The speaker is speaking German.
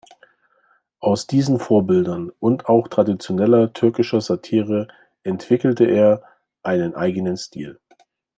Aus diesen Vorbildern und auch traditioneller türkischer Satire entwickelte er einen eigenen Stil.